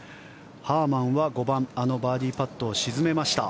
ハーマンは５番あのバーディーパットを沈めました。